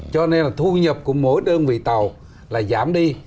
cho nên là thu nhập của mỗi đơn vị tàu là giảm đi